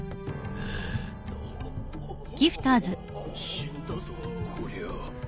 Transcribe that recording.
死んだぞこりゃあ。